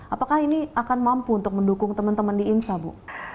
apakah ini akan mampu untuk mendukung teman teman di insa bu